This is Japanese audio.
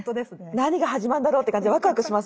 何が始まるんだろうって感じでワクワクします